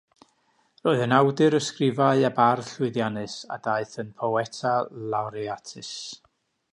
Roedd yn awdur ysgrifau a bardd llwyddiannus, a daeth yn “poeta laureatus”.